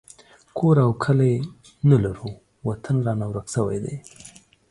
کور او کلی نه لرو وطن رانه ورک شوی دی